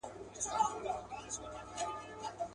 د کفن له غله بېغمه هدیره وه.